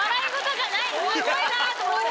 すごいなと思って。